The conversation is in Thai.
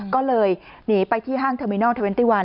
ก็เลยหนีไปที่ห้างเทอร์มินอล๒๑